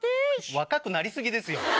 若くなり過ぎですよ！